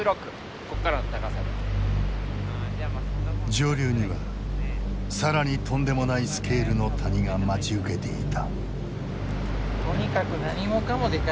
上流には更にとんでもないスケールの谷が待ち受けていた。